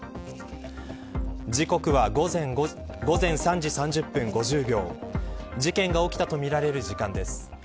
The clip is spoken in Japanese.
時刻は午前３時３０分５０秒事件が起きたとみられる時間です。